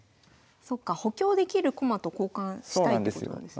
そっか補強できる駒と交換したいってことなんですね。